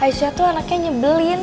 aisyah tuh anaknya nyebelin